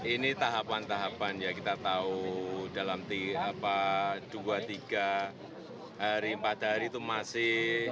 ini tahapan tahapan ya kita tahu dalam dua tiga hari empat hari itu masih